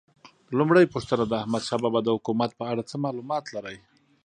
لومړۍ پوښتنه: د احمدشاه بابا د حکومت په اړه څه معلومات لرئ؟